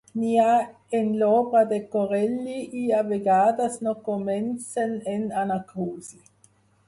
N'hi ha en l'obra de Corelli i a vegades no comencen en anacrusi.